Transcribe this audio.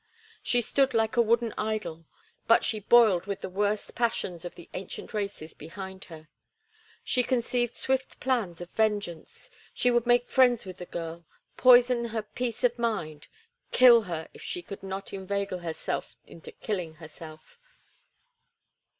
She stood like a wooden idol, but she boiled with the worst passions of the ancient races behind her. She conceived swift plans of vengeance. She would make friends with the girl, poison her peace of mind, kill her if she could not inveigle her into killing herself.